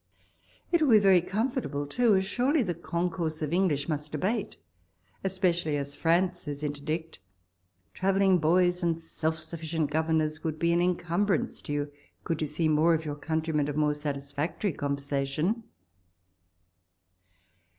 It will be very comfortable too, as surely the concourse of English must abate, especially as France is interdicted. Travelling boys and self sufl&cient governors would be an incumbrance to you, could you see more of your countrymen of more satisfactory conversation.